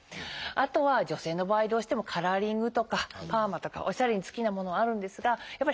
あとは女性の場合どうしてもカラーリングとかパーマとかおしゃれに好きなものはあるんですがやっぱり激しいもの